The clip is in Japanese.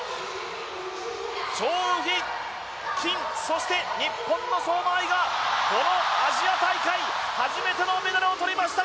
張雨霏、金そして日本の相馬あいがこのアジア大会初めてのメダルをとりました。